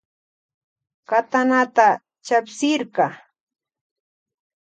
Katanata chapsirka.